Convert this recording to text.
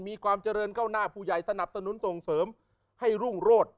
มีความเจริญก้าวหน้าผู้ใหญ่สนับสนุนส่งเสริมให้รุ่งโรธ